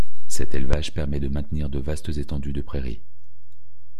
Cet élevage permet de maintenir de vastes étendues de prairies.